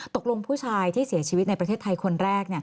ผู้ชายที่เสียชีวิตในประเทศไทยคนแรก